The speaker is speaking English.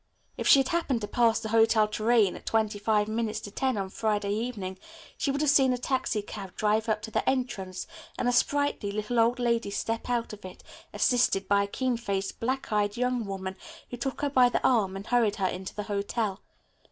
If she had happened to pass the Hotel Tourraine at twenty five minutes to ten on Friday evening she would have seen a taxicab drive up to the entrance and a sprightly, little old lady step out of it, assisted by a keen faced, black eyed young woman, who took her by the arm and hurried her into the hotel.